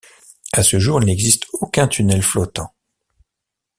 À ce jour il n'existe aucun tunnel flottant.